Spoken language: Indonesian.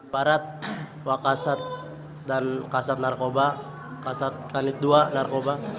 barat wakasat dan kasat narkoba kasat kanit dua narkoba